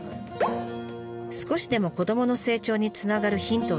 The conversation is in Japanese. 「少しでも子どもの成長につながるヒントを得たい」。